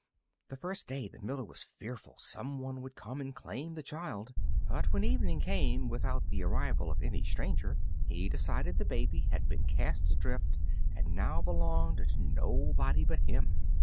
That first day the miller was fearful some one would come and claim the child, but when evening came without the arrival of any stranger he decided the baby had been cast adrift and now belonged to nobody but him.